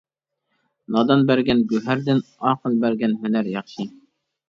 نادان بەرگەن گۆھەردىن، ئاقىل بەرگەن ھۈنەر ياخشى.